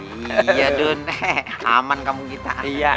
iya dun aman kamu kita